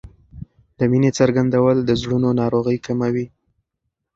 د مینې څرګندول د زړونو ناروغۍ کموي.